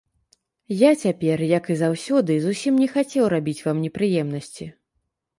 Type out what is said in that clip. Я цяпер, як і заўсёды, зусім не хацеў рабіць вам непрыемнасці.